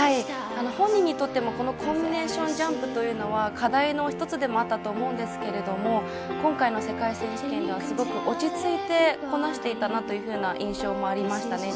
本人にとっても、このコンビネーションジャンプというのは課題の一つでもありましたが今回の世界選手権ではすごく落ち着いてこなしていたなというふうな印象もありました。